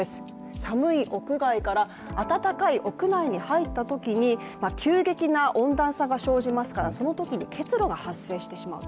寒い屋外から暖かい屋内に入ったときに急激な温暖差が生じますからそのときに結露が発生してしまう。